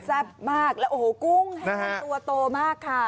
มากแล้วโอ้โหกุ้งแห้งมันตัวโตมากค่ะ